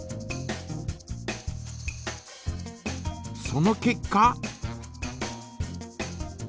その結果？